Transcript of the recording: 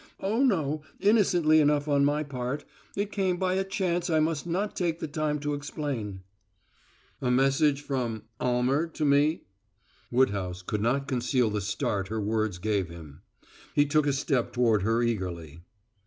Oh, no, innocently enough on my part it came by a chance I must not take the time to explain." "A message from Almer to me?" Woodhouse could not conceal the start her words gave him. He took a step toward her eagerly.